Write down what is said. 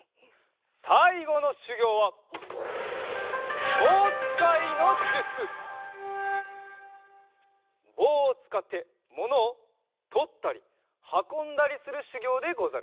さいごのしゅぎょうはぼうをつかってものをとったりはこんだりするしゅぎょうでござる。